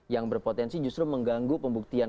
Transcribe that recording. yang berpotensi justru mengganggu pembuktian